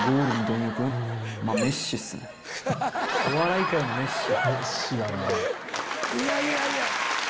いやいやいや。